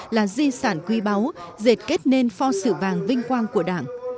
là di sản quy báu dệt kết nên pho sự vàng vinh quang của đảng